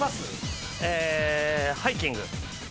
ハイキング。